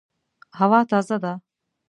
هوا تازه ده